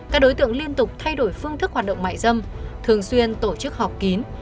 các đối tượng liên tục thay đổi phương thức hoạt động mại dâm thường xuyên tổ chức họp kín